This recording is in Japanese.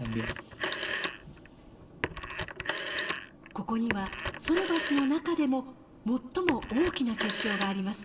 ここにはソルバスの中でも最も大きな結晶があります。